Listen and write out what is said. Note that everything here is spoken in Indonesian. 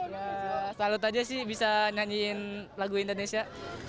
ya salut aja sih bisa nyanyiin lagu indonesia